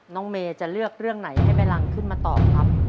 น้องเมย์จะเลือกเรื่องไหนให้แม่รังขึ้นมาตอบครับ